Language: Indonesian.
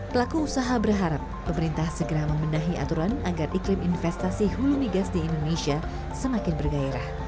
pelaku usaha berharap pemerintah segera membenahi aturan agar iklim investasi hulu migas di indonesia semakin bergairah